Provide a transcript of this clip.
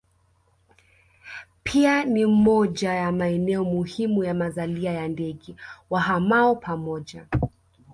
Pia ni moja ya maeneo muhimu ya mazalia ya ndege wahamao pamoja